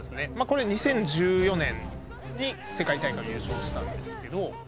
これ２０１４年に世界大会を優勝したんですけど。